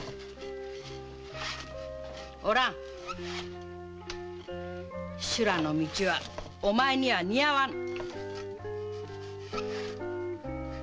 お蘭修羅の道はお前には似合わぬ。